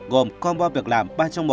gồm combo việc làm ba trong một